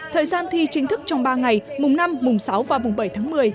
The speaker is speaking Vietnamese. thời gian thi chính thức trong ba ngày mùng năm mùng sáu và mùng bảy tháng một mươi